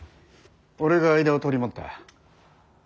俺が間を取り持った。